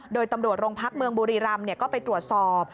โดยตำรวจโรงพักเมืองบุรีรำก็ไปตรวจสอบ